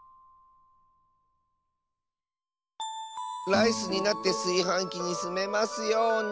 ライスになってすいはんきにすめますように。